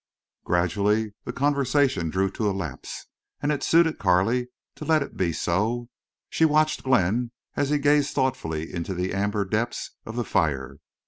Gradually the conversation drew to a lapse, and it suited Carley to let it be so. She watched Glenn as he gazed thoughtfully into the amber depths of the fire.